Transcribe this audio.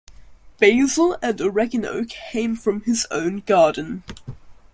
Basil and oregano came from his own garden.